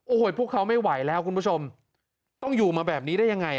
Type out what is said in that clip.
โอ้โหพวกเขาไม่ไหวแล้วคุณผู้ชมต้องอยู่มาแบบนี้ได้ยังไง